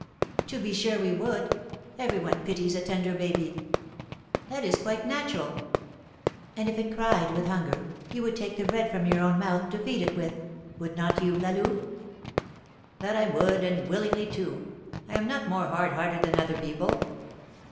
"To be sure we would, every one pities a tender baby." "That is quite natural." "And if it cried with hunger, you would take the bread from your own mouth to feed it with. Would not you, La Louve?" "That I would, and willingly, too! I am not more hard hearted than other people!"